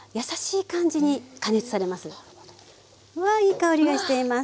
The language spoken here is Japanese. うわいい香りがしています。